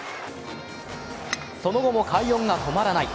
その後も快音が止まらない。